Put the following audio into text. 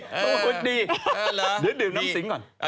โหดีโหดี